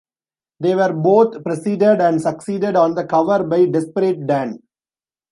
They were both preceded and succeeded on the cover by Desperate Dan.